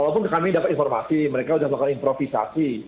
walaupun kami dapat informasi mereka sudah melakukan improvisasi